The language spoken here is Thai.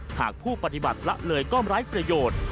หากผู้ปฏิบัติละเลยก็ไร้ประโยชน์